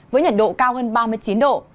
với nhiệt độ cao hơn ba mươi chín độ